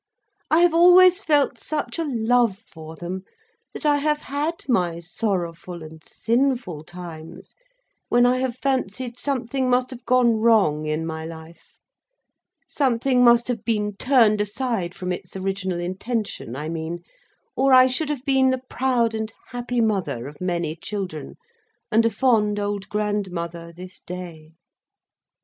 I have always felt such a love for them, that I have had my sorrowful and sinful times when I have fancied something must have gone wrong in my life—something must have been turned aside from its original intention I mean—or I should have been the proud and happy mother of many children, and a fond old grandmother this day.